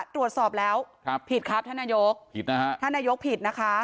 ตรวจสอบแล้วผิดครับท่านนายกผิดนะฮะท่านนายกผิดนะคะ